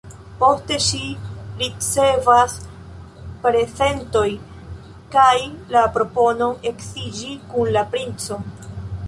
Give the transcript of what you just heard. Poste ŝi ricevas prezentojn kaj la proponon edziĝi kun la princo.